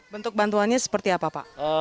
bentuk bantuannya seperti apa pak